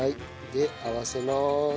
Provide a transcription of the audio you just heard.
で合わせます。